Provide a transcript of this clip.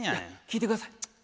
聞いてください。